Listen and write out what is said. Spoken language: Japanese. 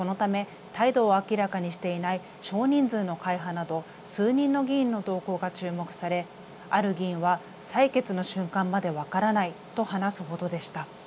このため態度を明らかにしていない少人数の会派など数人の議員の動向が注目されある議員は採決の瞬間まで分からないと話すほどでした。